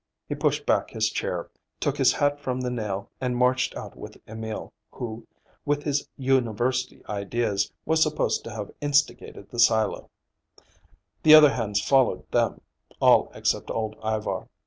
He pushed back his chair, took his hat from the nail, and marched out with Emil, who, with his university ideas, was supposed to have instigated the silo. The other hands followed them, all except old Ivar.